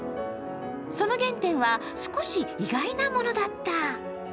その原点は、少し意外なものだった。